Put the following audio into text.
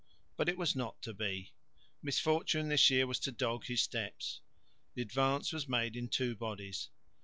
But it was not to be. Misfortune this year was to dog his steps. The advance was made in two bodies.